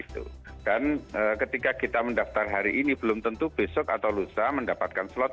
dan ketika kita mendaftar hari ini belum tentu besok atau lusa mendapatkan slot